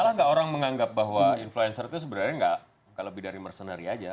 salah gak orang menganggap bahwa influencer itu sebenarnya gak lebih dari mercenary aja